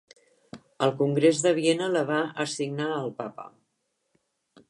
El Congrés de Viena la va assignar al Papa.